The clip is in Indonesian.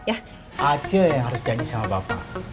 acil yang harus janji sama bapak